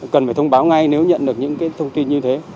cần phải thông báo ngay nếu nhận được những thông tin như thế